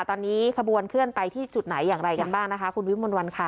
ตอนนี้ขบวนเคลื่อนไปที่จุดไหนอย่างไรกันบ้างนะคะคุณวิมนต์วันค่ะ